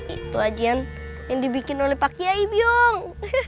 itu aja yang dibikin oleh pak kiai biong